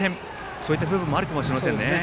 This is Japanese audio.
そういった部分もあるかもしれません。